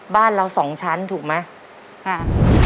บ้านเราสองชั้นถูกไหมค่ะ